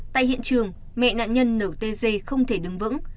tại hiện trường mẹ nạn nhân nở tê dê không thể đứng vững